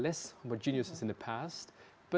lebih kurang homogenis dari masa lalu